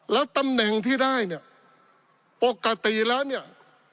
แล้วตำแหน่งที่ได้เนี่ยปกติแล้วเนี่ย